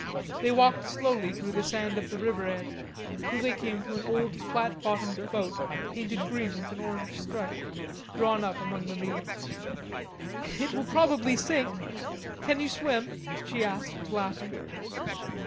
They walked slowly through the sand of the river edge, till they came to an old flat bottomed boat painted green with an orange stripe, drawn up among the reeds. "It will probably sink; can you swim?" she asked, laughing.